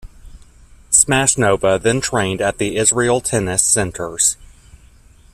Smashnova then trained at the Israel Tennis Centers.